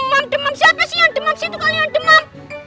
yang demam siapa sih yang demam situ kalian demam